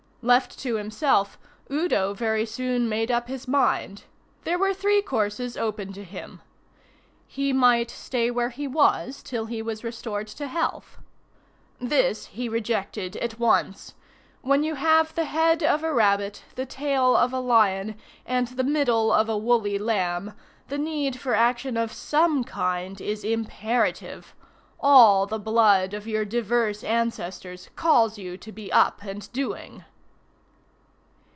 Left to himself Udo very soon made up his mind. There were three courses open to him. He might stay where he was till he was restored to health. This he rejected at once. When you have the head of a rabbit, the tail of a lion, and the middle of a woolly lamb, the need for action of some kind is imperative. All the blood of your diverse ancestors calls to you to be up and doing.